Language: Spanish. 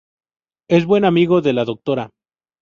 Es buen amigo de la Dra.